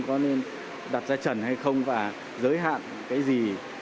có nên đặt ra trần hay không và giới hạn cái gì